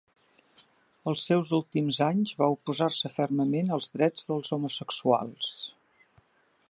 Els seus últims anys, va oposar-se fermament als drets dels homosexuals.